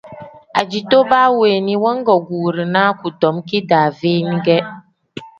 Ajito baa weeni wangaguurinaa kudom kidaave ne ge.